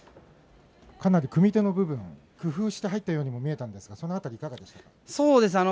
かなり組み手の部分工夫して入ったようにも見えたんですがその辺り、いかがでしたか？